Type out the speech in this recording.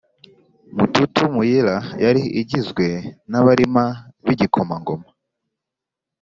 Mututu Muyira yari igizwe n Abarima b igikomangoma